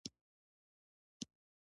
رحم او شفقت د خدای د رضا لامل کیږي.